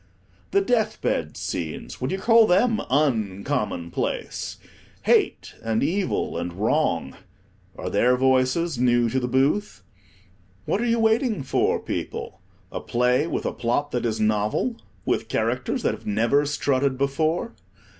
The death bed scenes, would you call them _un_commonplace? Hate, and Evil, and Wrong—are their voices new to the booth? What are you waiting for, people? a play with a plot that is novel, with characters that have never strutted before?